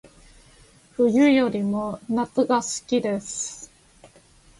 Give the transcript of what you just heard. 冬よりも夏が好きです